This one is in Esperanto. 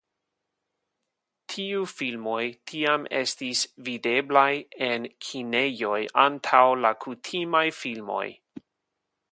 Tiu filmoj tiam estis videblaj en kinejoj antaŭ la kutimaj filmoj.